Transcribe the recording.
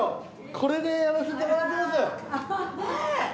これでやらせてもらってます。